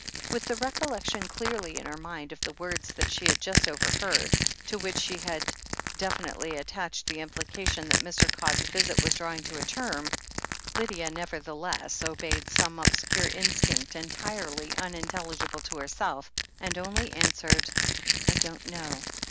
With the recollection clearly in her mind of the words that she hiad just overheard, to which she had definitely attached the implication that Mr. Codd's visit was drawing to a term, Lydia nevertheless obeyed some obscure instinct entirely unintelligible to herself, and only answered : "I don't know."